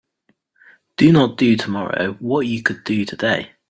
Do not do tomorrow what you could do today.